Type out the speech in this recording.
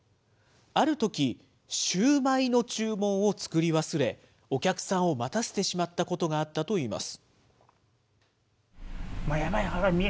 あるとき、シューマイの注文を作り忘れ、お客さんを待たせてしまったことがあったといいます。